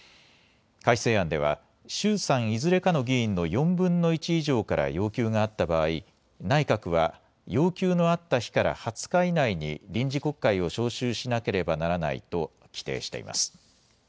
改正案では衆・参いずれかの議員の４分の１以上から要求があった場合内閣は要求のあった日から２０日以内に臨時国会を召集しなければならないと規定しています。